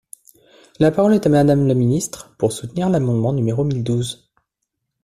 La parole est à Madame la ministre, pour soutenir l’amendement numéro mille douze.